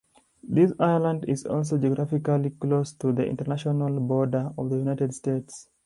This island is also geographically close to the International border of the United States.